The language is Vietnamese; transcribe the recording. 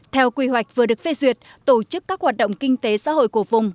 theo quy hoạch vừa được phê duyệt tổ chức các hoạt động kinh tế xã hội của vùng